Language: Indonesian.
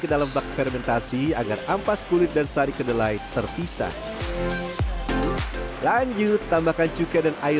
ke dalam bak fermentasi agar ampas kulit dan sari kedelai terpisah lanjut tambahkan cukai dan air